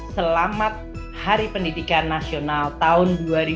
selamat hari pendidikan nasional tahun dua ribu dua puluh